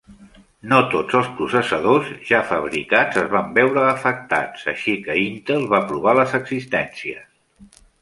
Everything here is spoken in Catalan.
No tots els processadors ja fabricats es van veure afectats, així que Intel va provar les existències.